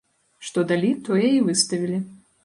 Што далі, тое і выставілі.